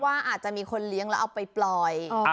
อาจจะมีคนเลี้ยงแล้วเอาไปปล่อย